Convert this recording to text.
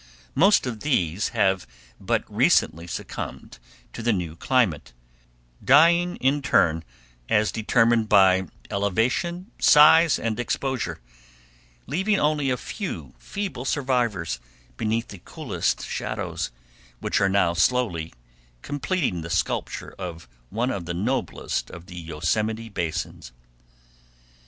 Most of these have but recently succumbed to the new climate, dying in turn as determined by elevation, size, and exposure, leaving only a few feeble survivors beneath the coolest shadows, which are now slowly completing the sculpture of one of the noblest of the Yosemite basins.